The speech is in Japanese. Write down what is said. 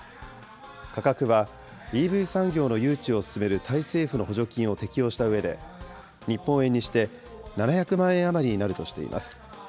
価格は、ＥＶ産業の誘致を進めるタイ政府の補助金を適用したうえで、日本円にして、７００万円余りになるとしています。